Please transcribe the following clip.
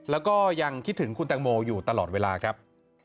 แล้วก็ยังคิดถึงคุณแตงโมอยู่ตลอดเวลาครับ